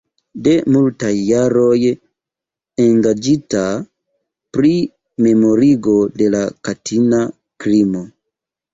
De multaj jaroj engaĝita pri memorigo de la katina krimo.